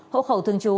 hộ khẩu thường chú